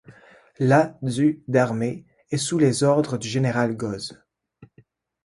La du d'armée est sous les ordres du général Goze.